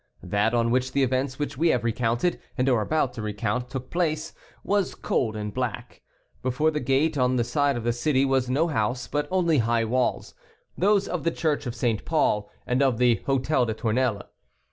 That on which the events which we have recounted, and are about to recount took place, was cold and black. Before the gate on the side of the city, was no house, but only high walls, those of the church of St. Paul, and of the Hôtel des Tournelles.